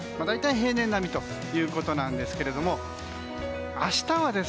大体、平年並みということなんですけども明日は、